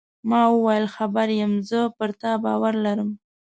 ما وویل: خبر یم، زه پر تا باور لرم.